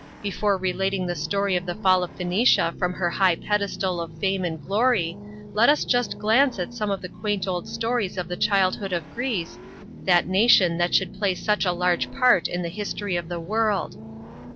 Before relating the story of the fall of Phoenicia from her high pedestal of fame and glory, let us just glance at some of the quaint old stories of ib?, childhood of Greece, that nation that should play such a large part in the history of the world.